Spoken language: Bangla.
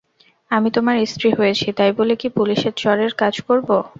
আমি তোমার স্ত্রী হয়েছি, তাই বলে কি পুলিসের চরের কাজ করব।